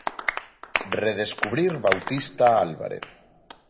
'Redescubrir Bautista Álvarez'.